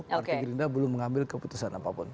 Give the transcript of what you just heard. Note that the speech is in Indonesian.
partai gerindra belum mengambil keputusan apapun